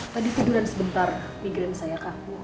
tadi tiduran sebentar migren saya kak bu